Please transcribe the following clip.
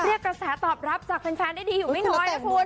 เรียกกระแสตอบรับจากแฟนได้ดีอยู่ไม่น้อยนะคุณ